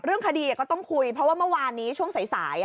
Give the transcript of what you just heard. เรื่องคดีก็ต้องคุยเพราะว่าเมื่อวานนี้ช่วงสาย